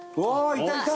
いたいた！